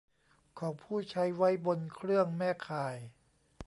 ของผู้ใช้ไว้บนเครื่องแม่ข่าย